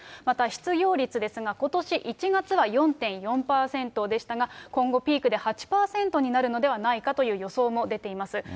また失業率ですが、ことし１月は４．４％でしたが、今後、ピークで８％になるのではないかという予想も出ています。